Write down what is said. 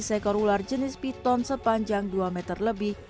seekor ular jenis piton sepanjang dua meter lebih